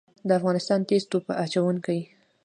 د افغانستان تیز توپ اچوونکي